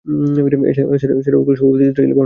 এ ছাড়াও এগুলো সবই হচ্ছে ইসরাঈলী বর্ণনা।